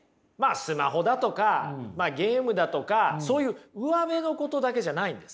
スマホだとかゲームだとかそういううわべのことだけじゃないんです。